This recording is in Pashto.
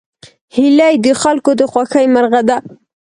هیلۍ د خلکو د خوښې مرغه ده